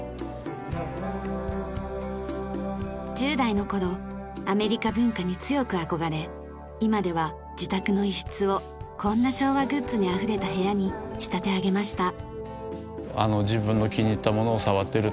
１０代の頃アメリカ文化に強く憧れ今では自宅の一室をこんな昭和グッズにあふれた部屋に仕立て上げました。